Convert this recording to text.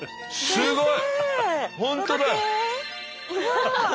すごい！